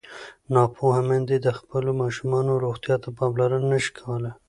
ناپوهه میندې د خپلو ماشومانو روغتیا ته پاملرنه نه شي کولی.